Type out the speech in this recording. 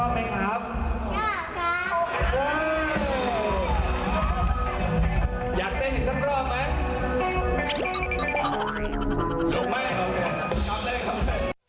ไม่คำแรงคำแรง